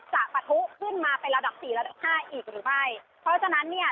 ปะทุขึ้นมาเป็นระดับสี่ระดับห้าอีกหรือไม่เพราะฉะนั้นเนี่ย